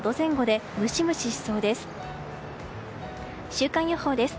週間予報です。